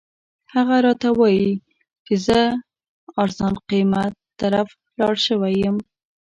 هغه راته وایي چې زه ارزان قیمت طرف ته لاړ شوی یم.